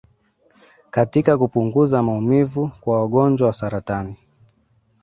katika kupunguza maumivu kwa wagonjwa wa saratani